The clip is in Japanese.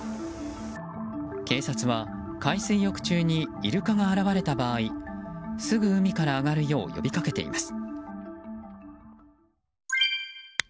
警察は、海水浴中にイルカが現れた場合すぐ海から上がるよう呼びかけています。